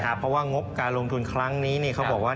เพราะว่างบการลงทุนครั้งนี้เขาบอกว่า